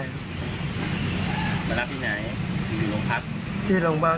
มารับที่ไหนที่โรงพักษ์